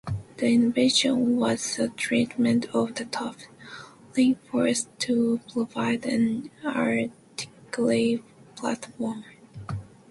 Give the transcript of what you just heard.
The innovation was the treatment of the top, reinforced to provide an artillery platform.